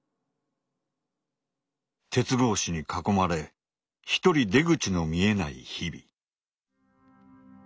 鉄格子に囲まれ一人出口の見えない日々。